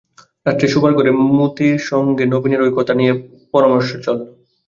রাত্রে শোবার ঘরে মোতির মার সঙ্গে নবীনের ঐ কথাটা নিয়ে পরামর্শ চলল।